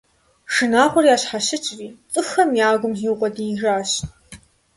Шынагъуэр ящхьэщыкӀри, цӀыхухэм я гум зиукъуэдиижащ.